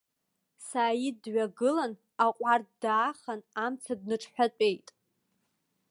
Сааид дҩагылан аҟәардә даахан амца дныҽҳәатәеит.